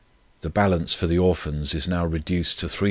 The balance for the Orphans is now reduced to £332 12s.